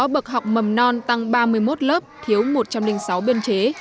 sáu bậc học mầm non tăng ba mươi một lớp thiếu một trăm linh sáu biên chế